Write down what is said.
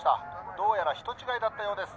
どうやら人違いだったようです。